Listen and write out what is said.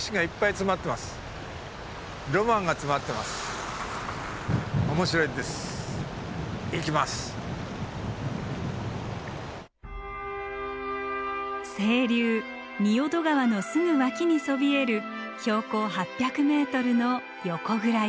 もう川遊び専門でしたが清流仁淀川のすぐ脇にそびえる標高８００ｍの横倉山。